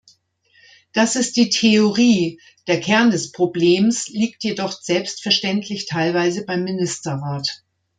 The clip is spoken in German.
Das ist die Theorie, der Kern des Problems liegt jedoch selbstverständlich teilweise beim Ministerrat.